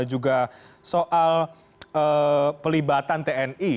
juga soal pelibatan tni